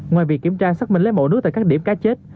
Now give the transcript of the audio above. ngoài việc kiểm tra xác minh lấy mẫu nước tại các điểm cá chết